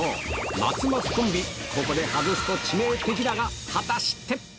松増コンビ、ここで外すと致命的だが、果たして。